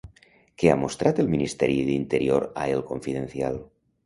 Què ha mostrat el Ministeri d'Interior a El Confidencial?